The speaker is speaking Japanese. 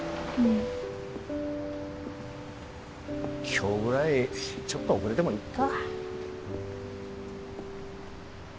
今日ぐらいちょっと遅れてもいっか。